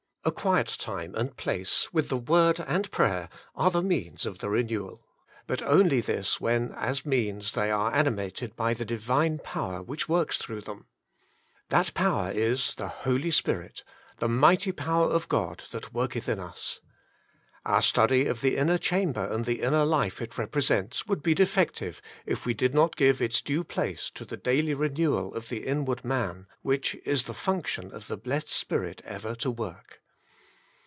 A quiet time and place, with the Word and prayer, are the means of the renewal. But only this when as means they are animated by the divine power which works through them. That power is 121 122 The Inner Chamber — the Holy Spirit, the mighty power of God that worketh in us. Our study of the inner chamber and the inner life it represents, would be defective if we did not give its due place to the daily re newal of the inward man, which it is the function of the blessed Spirit ever to work.